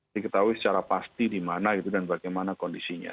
diketahui secara pasti di mana gitu dan bagaimana kondisinya